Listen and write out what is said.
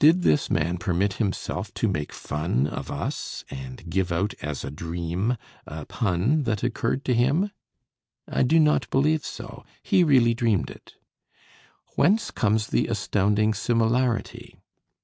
Did this man permit himself to make fun of us and give out as a dream a pun that occurred to him? I do not believe so; he really dreamed it. Whence comes the astounding similarity?